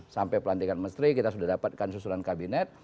sampai pelantikan menteri kita sudah dapatkan susulan kabinet